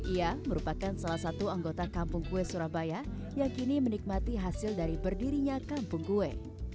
ia merupakan salah satu anggota kampung kue surabaya yang kini menikmati hasil dari berdirinya kampung kue